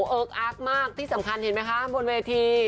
เอิ๊กอาร์กมากที่สำคัญเห็นไหมคะบนเวที